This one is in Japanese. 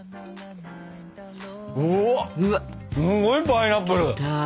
うわっすごいパイナップル。